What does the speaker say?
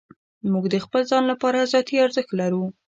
موږ د خپل ځان لپاره ذاتي ارزښت لرو.